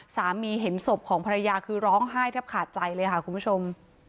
เห็นศพของภรรยาคือร้องไห้แทบขาดใจเลยค่ะคุณผู้ชม